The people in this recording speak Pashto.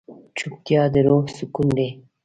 چوپتیا، د روح سکون دی.